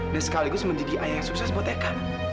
dan sekaligus menjadi ayah yang sukses buat eka